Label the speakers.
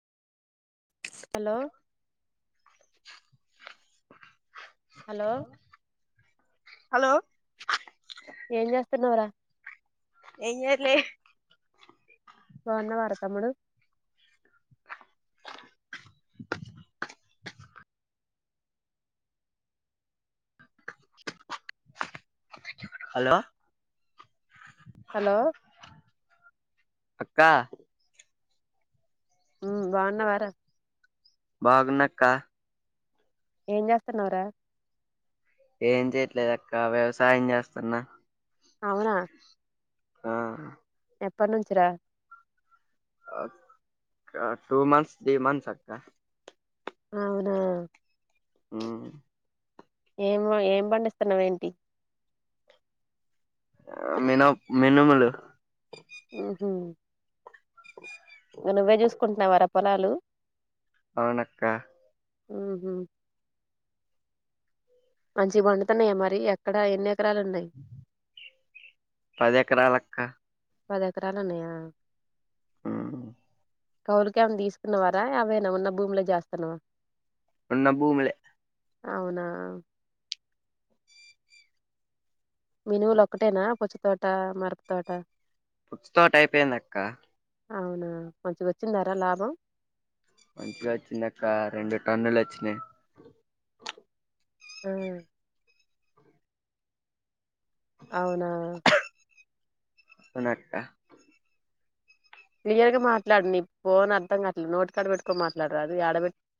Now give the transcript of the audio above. Speaker 1: hello hello
Speaker 2: hello
Speaker 1: ఏం చేస్తున్నావురా
Speaker 2: ఏంజేయట్లే
Speaker 1: బాగున్నావార తమ్ముడు
Speaker 2: హలో
Speaker 1: హలో
Speaker 2: అక్క
Speaker 1: ఉ బగున్నవార
Speaker 2: బాగున్నక్కా
Speaker 1: ఏం జేస్తున్నావ్ రా
Speaker 2: ఏం చేయట్లేదు అక్క వ్యవసాయం చేస్తున్నా
Speaker 1: అవునా
Speaker 2: ఆ
Speaker 1: ఎప్పటి నుంచిరా
Speaker 2: టూ మంత్స్ త్రీ మంత్స్ అక్క
Speaker 1: అవునా
Speaker 2: ఉమ్
Speaker 1: ఏం ఏం పండిస్తున్నావ ఏంటి
Speaker 2: మనా మినుములు
Speaker 1: ఉహు నువ్వే చూసుకుంటున్నావారా పొలాలు
Speaker 2: అవునక్క
Speaker 1: ఉహుమ్ మంచి పండుతున్నాయా మరి ఎక్కడ ఎన్ని ఎకరాలు ఉన్నాయి
Speaker 2: పది ఎకరాల క్క
Speaker 1: పది ఎకరాలు ఉన్నాయా
Speaker 2: ఆ
Speaker 1: కౌవులకు ఏమన్న తీసుకున్నవారా అవేనా ఉన్న భూమిలో జేస్తున్నవా
Speaker 2: ఉన్న భూములే
Speaker 1: అవునా మినువులు ఒక్కటేనా పుచ్చ తోటా మిరప తోటా
Speaker 2: పుచ్చ తోటా అయిపోయిందక్క
Speaker 1: అవునా మంచిగ వచ్చిందారా లాభం
Speaker 2: మంచిగ వచ్చింది అక్కా రెండు టన్నులు వచ్చినయి
Speaker 1: ఆ అవునా
Speaker 2: వునక్కా
Speaker 1: క్లియర్ గా మాట్లాడు నీ ఫోన్ అర్థం కాట్లేదు నోట్ కాడ పెట్టుకోని మాట్లాడరాదు యాడ పెట్